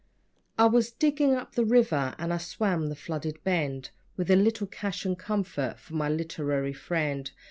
I was digging up the river, and I swam the flooded bend With a little cash and comfort for my literary friend.